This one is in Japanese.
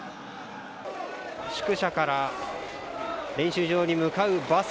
宿舎から練習場に向かうバス。